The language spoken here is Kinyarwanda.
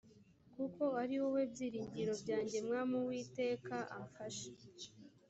kuko ari wowe byiringiro byanjye mwami uwiteka amfashe cyane